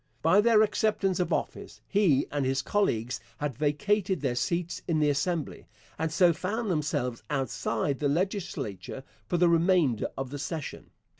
By their acceptance of office he and his colleagues had vacated their seats in the Assembly, and so found themselves outside the legislature for the remainder of the session.